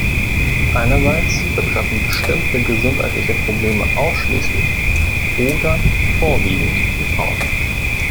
Einerseits betreffen bestimmte gesundheitliche Probleme ausschließlich oder vorwiegend die Frauen.